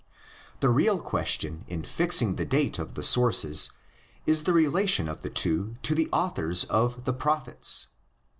The real question in fixing the date of the sources is the relation of the two to the authors of the "Prophets."